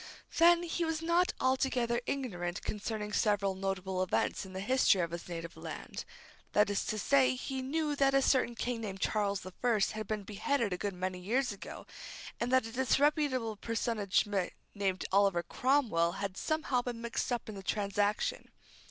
Then, he was not altogether ignorant concerning several notable events in the history of his native land. That is to say, he knew that a certain king named Charles the First had been beheaded a good many years ago, and that a disreputable personage named Oliver Cromwell had somehow been mixed up in the transaction.